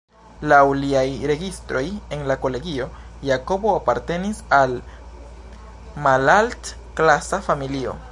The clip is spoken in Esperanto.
Laŭ liaj registroj en la kolegio, Jakobo apartenis al malalt-klasa familio.